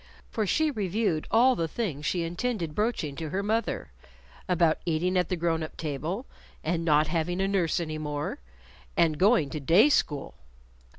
For she reviewed all the things she intended broaching to her mother about eating at the grown up table, and not having a nurse any more, and going to day school.